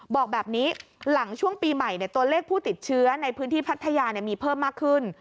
บอกแบบนี้หลังช่วงปีใหม่ตัวเลขผู้ติดเชื้อในพื้นที่พัทยามีเพิ่มมากขึ้น